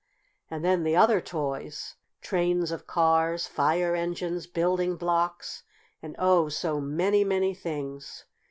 And then the other toys trains of cars, fire engines, building blocks, and oh! so many, many things!